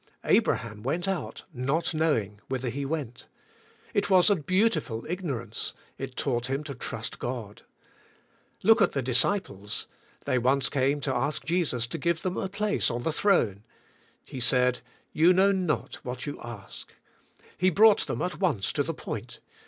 Abraham went out not knowing whither he went. It was a beautiful ignorance, it taught him to trust God. Look at the disciples. They once came to ask Jesus to give them a place on the throne. He said, * 'Ye know not what ye ask." He brought them at once to the point.